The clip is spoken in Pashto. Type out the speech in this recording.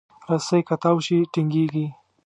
رسۍ که تاو شي، ټینګېږي.